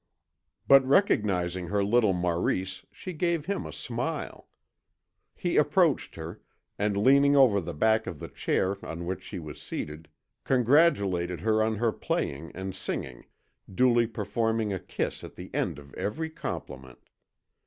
But recognizing her little Maurice, she gave him a smile. He approached her, and leaning over the back of the chair on which she was seated, congratulated her on her playing and singing, duly performing a kiss at the end of every compliment.